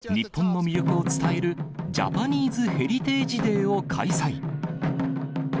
きょう、エンゼルスは日本の魅力を伝えるジャパニーズ・ヘリテージ・デーを開催。